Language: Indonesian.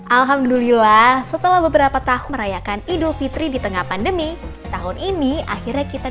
alhamdulillah setelah beberapa tahun merayakan idul fitri di tengah pandemi tahun ini akhirnya kita